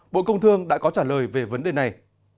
bộ công thương đã có trả lời về vấn đề này